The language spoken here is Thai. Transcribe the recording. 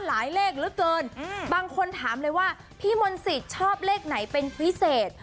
เลขเหลือเกินบางคนถามเลยว่าพี่มนต์สิทธิ์ชอบเลขไหนเป็นพิเศษ